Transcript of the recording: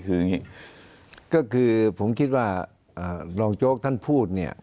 ก็คือผมคิดว่าลองโจ๊กท่านพูดเนี่ย